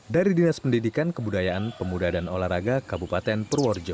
dari dinas pendidikan kebudayaan pemuda dan olahraga kabupaten purworejo